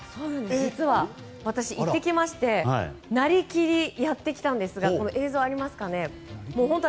実は私行ってきましてなりきりやってきたんですが映像があります。